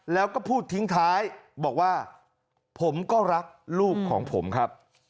แล้วก็พูดทิ้งท้ายบอกว่าผมก็รักลูกของผมครับ